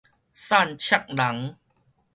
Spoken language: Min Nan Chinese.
散赤人